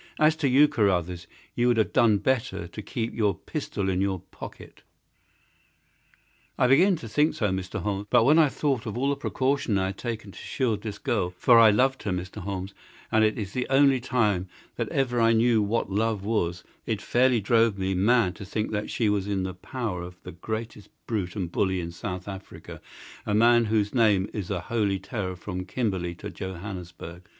As to you, Carruthers, you would have done better to keep your pistol in your pocket." "I begin to think so, Mr. Holmes; but when I thought of all the precaution I had taken to shield this girl—for I loved her, Mr. Holmes, and it is the only time that ever I knew what love was—it fairly drove me mad to think that she was in the power of the greatest brute and bully in South Africa, a man whose name is a holy terror from Kimberley to Johannesburg.